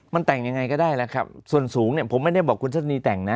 มันแต่งยังไงก็ได้แล้วครับส่วนสูงเนี่ยผมไม่ได้บอกคุณทัศนีแต่งนะ